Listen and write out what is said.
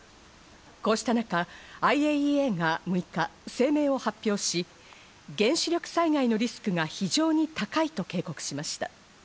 こうした中、ＩＡＥＡが６日、声明を発表し、原子力災害のリスクが非常に高いと警告しました。